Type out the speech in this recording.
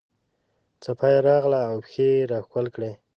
څپه یې راغله او پښې یې راښکل کړې.